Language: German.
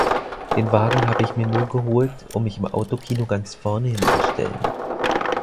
Den Wagen habe ich mir nur geholt, um mich im Autokino ganz vorne hinzustellen.